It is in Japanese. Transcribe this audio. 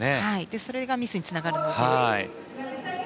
それがミスにつながるので。